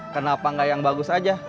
kenapa nggak yang bagus aja